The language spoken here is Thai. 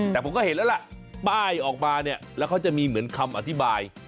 แต่ผมก็เห็นแล้วล่ะป้ายออกมาเนี่ยแล้วเขาจะมีเหมือนคำอธิบาย